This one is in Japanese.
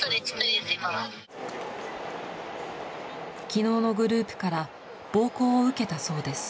昨日のグループから暴行を受けたそうです。